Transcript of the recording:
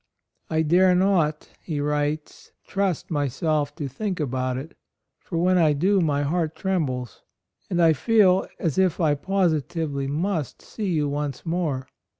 "I dare not," he writes, "trust AND MOTHER. 91 myself to think about it; for when I do my heart trembles, and I feel as if I positively must see you once more.